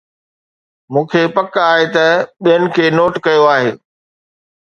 مون کي پڪ آهي ته ٻين کي نوٽ ڪيو آهي